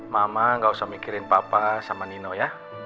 mama gak usah mikirin papa sama nino ya